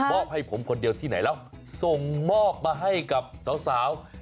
อบให้ผมคนเดียวที่ไหนแล้วส่งมอบมาให้กับสาว